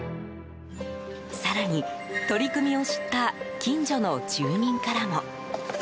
更に、取り組みを知った近所の住民からも。